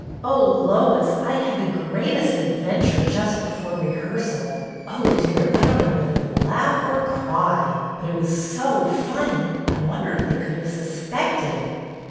" Oh, Lois, I had the greatest adventure just before rehearsal ! Oh, dear, I don't THE PLAY 135 know whether to laugh or cry ! But it was so funny! I wonder if they could have suspected."